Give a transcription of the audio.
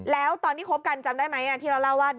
แล้วตอนที่คบกันจำได้ไหมที่เราเล่าว่า